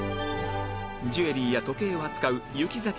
ジュエリーや時計を扱うゆきざ